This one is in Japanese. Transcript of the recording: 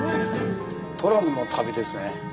「トラムの旅」ですね。